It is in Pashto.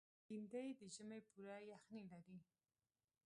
لېندۍ د ژمي پوره یخني لري.